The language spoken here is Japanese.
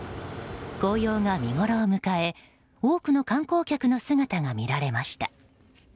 紅葉が見ごろを迎え多くの観光客の姿が見られました。